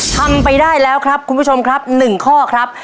ทำไปได้แล้วครับคุณผู้ชมครับ๑ข้อครับ